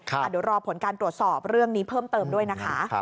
เดี๋ยวรอผลการตรวจสอบเรื่องนี้เพิ่มเติมด้วยนะคะ